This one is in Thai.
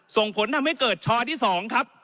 ส่งผลทำให้เกิดชอที่๒ครับ